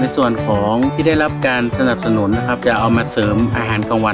ส่วนของที่ได้รับการสนับสนุนนะครับจะเอามาเสริมอาหารกลางวัน